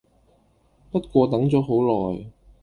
不過等左好耐